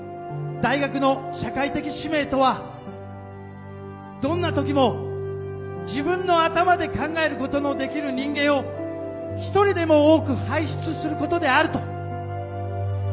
大学の社会的使命とはどんな時も自分の頭で考えることのできる人間を一人でも多く輩出することである」と。